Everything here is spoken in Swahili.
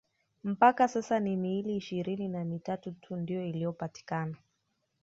mpaka sasa ni miili ishirini na mitatu tu ndio iliyopatikana